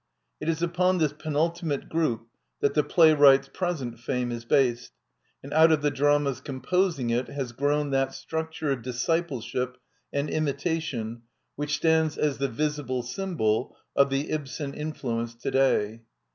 It is upon this penultimate group that the pla5rwright's present fame is based, and out of the dramas composing it has grown that structure of discipleship and imitation which stands as the visible S3anbol of the Ibsen influence to day.